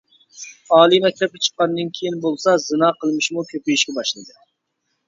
ئالىي مەكتەپكە چىققاندىن كېيىن بولسا زىنا قىلمىشىمۇ كۆپىيىشكە باشلىدى.